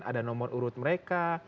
ada nomor urut mereka